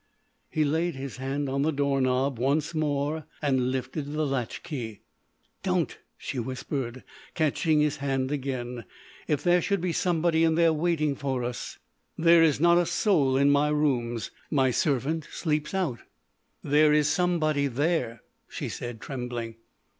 He laid his hand on the door knob once more and lifted the latch key. "Don't!" she whispered, catching his hand again, "if there should be somebody in there waiting for us!" "There is not a soul in my rooms. My servant sleeps out." "There is somebody there!" she said, trembling.